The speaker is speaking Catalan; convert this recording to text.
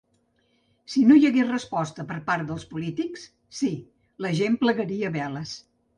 Si no hi hagués resposta per part dels polítics, sí, la gent plegaria veles.